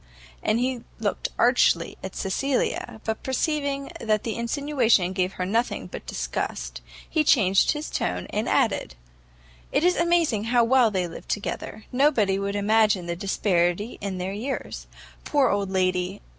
And he looked archly at Cecilia: but perceiving that the insinuation gave her nothing but disgust, he changed his tone, and added, "It is amazing how well they live together; nobody would imagine the disparity in their years. Poor old lady!